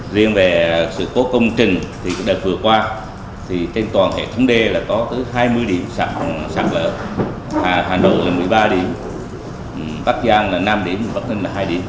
riêng về sự cố công trình đợt vừa qua trên toàn hệ thống đê có tới hai mươi điểm sạc lỡ hà nội là một mươi ba điểm bắc giang là năm điểm bắc ninh là hai điểm